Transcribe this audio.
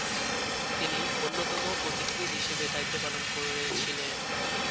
তিনি অন্যতম পথিকৃৎ হিসেবে দায়িত্ব পালন করেছিলেন।